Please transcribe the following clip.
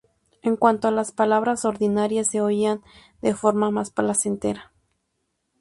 En cuanto a las palabras ordinarias, se oían de forma más placentera.